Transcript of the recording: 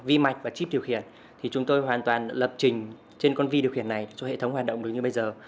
vi mạch và chip điều khiển thì chúng tôi hoàn toàn lập trình trên con vi điều khiển này cho hệ thống hoạt động được như bây giờ